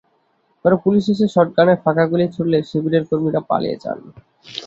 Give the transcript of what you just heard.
পরে পুলিশ এসে শটগানের ফাঁকা গুলি ছুড়লে শিবিরের কর্মীরা পালিয়ে যান।